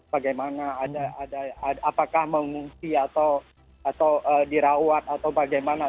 bagaimana apakah mengungsi atau dirawat atau bagaimana